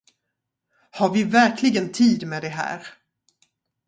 Har vi verkligen tid med det här?